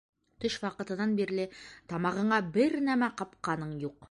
Төш ваҡытынан бирле тамағыңа бер нәмә ҡапҡаның юҡ.